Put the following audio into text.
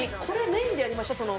これメインでやりましょ。